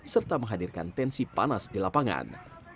serta menghadirkan tensi panas di lapangan